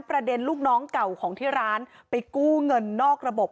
ลูกน้องเก่าของที่ร้านไปกู้เงินนอกระบบ